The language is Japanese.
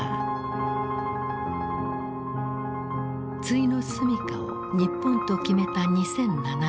終の住みかを日本と決めた２００７年。